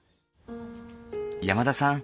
山田さん